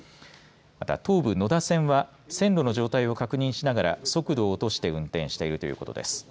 また東武野田線は線路の状態を確認しながら速度を落として運転しているということです。